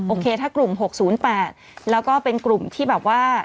โอเคถ้ากลุ่ม๖๐๘แล้วก็เป็นกลุ่มที่แบบว่า